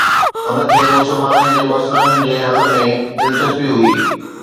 هن کي مسلمانن جي مسئلن جي حل ۾ دلچسپي هئي.